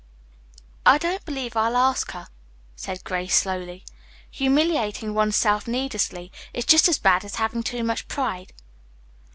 "I don't believe I'll ask her," said Grace slowly. "Humiliating one's self needlessly is just as bad as having too much pride."